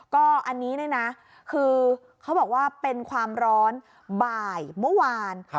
ก็อันนี้เนี่ยนะคือเขาบอกว่าเป็นความร้อนบ่ายเมื่อวาน